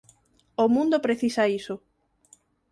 O mundo precisa iso.